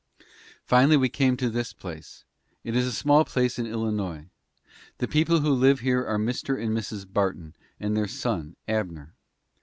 "Finally we came to this place. It is a small place in Illinois. The people who live here are Mr. and Mrs. Barton and their son Abner.